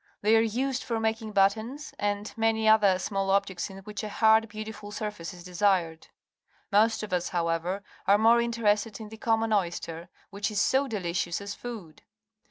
They are used for making buttons and many other small objects in which a hard, beautiful surface is desired. Most of us, however, are more interested in the common oyster, which is so delicious as food.